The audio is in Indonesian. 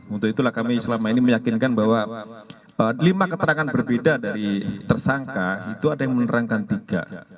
untuk itulah kami selama ini meyakinkan bahwa lima keterangan berbeda dari tersangka itu ada yang menerangkan tiga